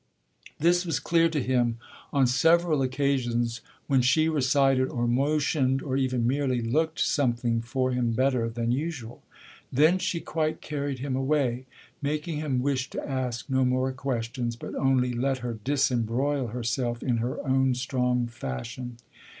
This was clear to him on several occasions when she recited or motioned or even merely looked something for him better than usual; then she quite carried him away, making him wish to ask no more questions, but only let her disembroil herself in her own strong fashion.